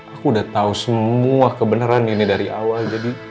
aku udah tau semua kebeneran ini dari awal